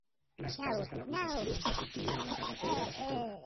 Les cases de la possessió se situen a la carretera de sa Torre.